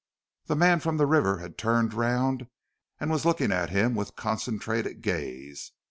The man from the river had turned round and was looking at him with concentrated gaze.